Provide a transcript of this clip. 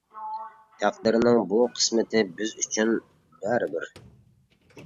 تەقدىرنىڭ بۇ قىسمىتى بىز ئۈچۈن بەرىبىر.